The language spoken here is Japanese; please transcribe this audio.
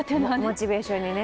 モチベーションにね。